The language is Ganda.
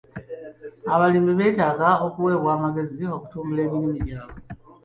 Abalimi betaaga okuwebwa amagezi okutumbula emirimu gyabwe.